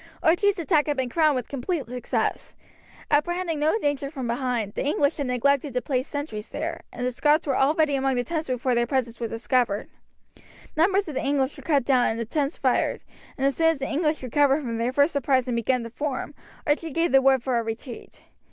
Archie's attack had been crowned with complete success. Apprehending no danger from behind, the English had neglected to place sentries there, and the Scots were already among the tents before their presence was discovered. Numbers of the English were cut down and the tents fired, and as soon as the English recovered from their first surprise and began to form, Archie gave the word for a retreat.